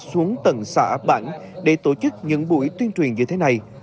xuống tận xã bản để tổ chức những buổi tuyên truyền như thế này